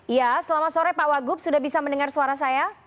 ya selamat sore pak wagup sudah bisa mendengar suara saya